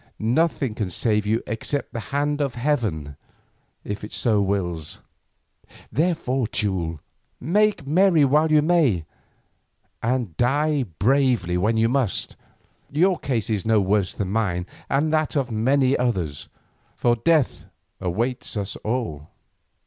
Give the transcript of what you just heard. Nothing can save you except the hand of heaven if it wills. Therefore, Teule, make merry while you may, and die bravely when you must. Your case is no worse than mine and that of many others, for death awaits us all.